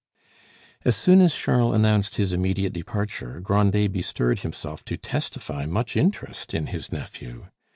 As soon as Charles announced his immediate departure, Grandet bestirred himself to testify much interest in his nephew.